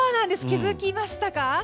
気づきましたか？